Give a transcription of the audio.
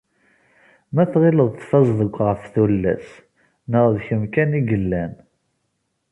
Ma tɣileḍ tfazeḍ ɣef tullas, neɣ d kemm kan i yellan.